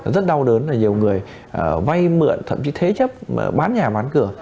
rất đau đớn là nhiều người vay mượn thậm chí thế chấp bán nhà bán cửa